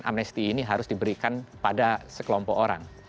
amnesti ini harus diberikan pada sekelompok orang